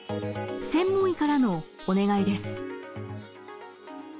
専門医からのお願いです。